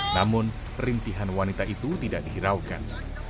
namun rintihan wanita itu tidak dihiraukan